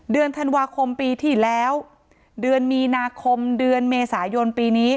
เดือนธันวาคมปีที่แล้วเดือนมีนาคมเดือนเมษายนปีนี้